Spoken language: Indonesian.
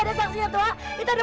yuk deh kita lihat yuk